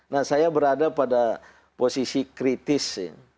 nah saya berada pada posisi kritis